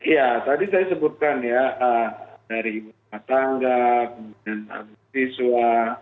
ya tadi saya sebutkan ya dari ibu rumah tangga kemudian siswa